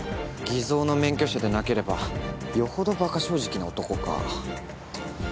偽造の免許証でなければよほど馬鹿正直な男か。